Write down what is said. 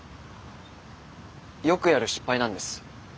よくやる失敗なんです。